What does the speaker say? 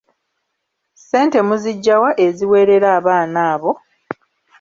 Ssente muziggya wa eziweerera abaana abo?